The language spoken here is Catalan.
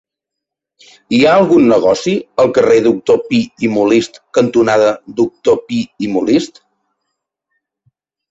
Hi ha algun negoci al carrer Doctor Pi i Molist cantonada Doctor Pi i Molist?